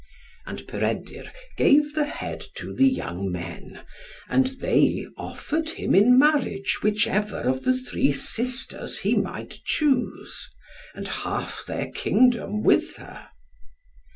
And Peredur gave the head to the young men, and they offered him in marriage whichever of the three sisters he might choose, and half their kingdom with her.